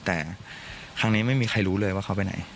แต่ครั้งนี้ไม่มีใครรู้เลยว่าเขาไปไหน